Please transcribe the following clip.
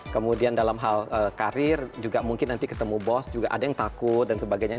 kemudian dalam hal karir juga mungkin nanti ketemu bos juga ada yang takut dan sebagainya